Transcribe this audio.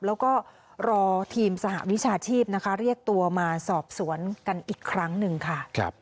แล้วก็รอทีมสหวิชาชีพนะคะเรียกตัวมาสอบสวนกันอีกครั้งหนึ่งค่ะ